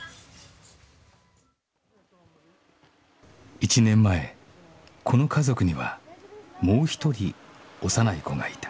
１年前この家族にはもう一人幼い子がいた